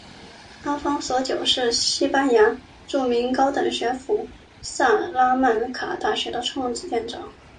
阿方索九世是西班牙著名高等学府萨拉曼卡大学的创建者。